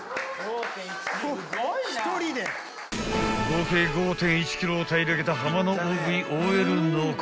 ［合計５．１ｋｇを平らげたハマの大食いＯＬのこ］